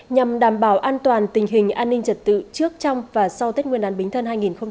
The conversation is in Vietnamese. nhằm đảm bảo an toàn tình hình an ninh trật tự trước trong và sau tết nguyên đán bính thân hai nghìn hai mươi